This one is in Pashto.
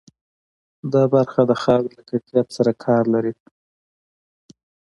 دا برخه د خاورې له کیفیت سره کار لري.